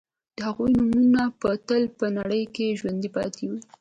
د هغوی نومونه به تل په نړۍ کې ژوندي پاتې وي